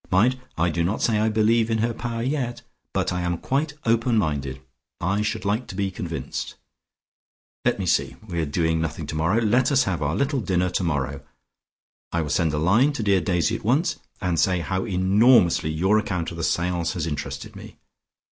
Mind! I do not say I believe in her power yet, but I am quite open minded; I should like to be convinced. Let me see! We are doing nothing tomorrow. Let us have our little dinner tomorrow. I will send a line to dear Daisy at once, and say how enormously your account of the seance has interested me.